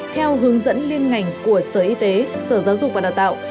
theo hướng dẫn liên ngành của sở y tế sở giáo dục và đào tạo